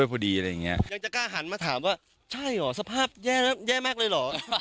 ยังจะกล้าหันมาถามว่าใช่หรอสภาพแย่มักเลยหรอ